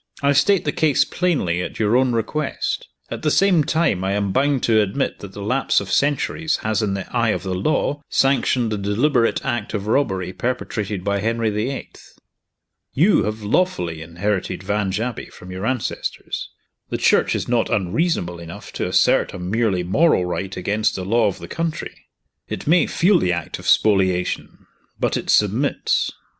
I state the case plainly, at your own request. At the same time, I am bound to admit that the lapse of centuries has, in the eye of the law, sanctioned the deliberate act of robbery perpetrated by Henry the Eighth. You have lawfully inherited Vange Abbey from your ancestors. The Church is not unreasonable enough to assert a merely moral right against the law of the country. It may feel the act of spoliation but it submits."